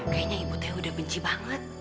kayaknya ibu teh udah benci banget